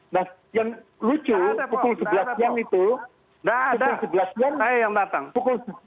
nah yang lucu pukul sebelas siang itu